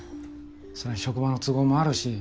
それに職場の都合もあるし